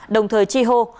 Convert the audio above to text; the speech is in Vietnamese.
đồng thời chi hô